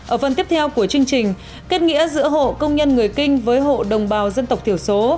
ở phần tiếp theo của chương trình kết nghĩa giữa hộ công nhân người kinh với hộ đồng bào dân tộc thiểu số